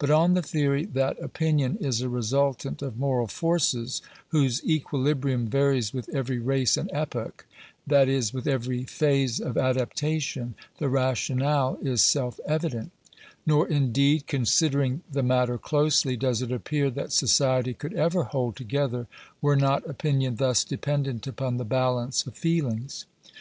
But on the theory that opinion is a resultant of moral forces, whose equilibrium varies with every race and epoch — that is, with every phase of adapta tion — the rationale is self evident Nor, indeed, considering the matter closely, does it appear that society could ever hold together were not opinion thus dependent upon the balance of feelings.